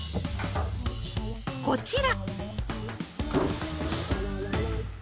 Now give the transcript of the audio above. ［こちら］